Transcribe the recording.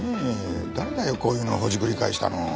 誰だよこういうのほじくり返したの。